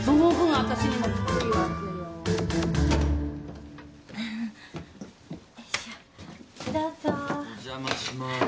お邪魔します。